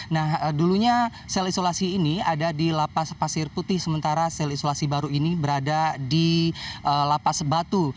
nah dulunya sel isolasi ini ada di lapas pasir putih sementara sel isolasi baru ini berada di lapas batu